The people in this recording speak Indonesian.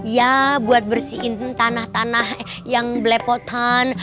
ya buat bersihin tanah tanah yang belepotan